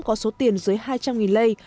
có số tiền dưới hai trăm linh lei